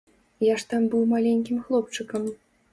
Я ж там быў маленькім хлопчыкам.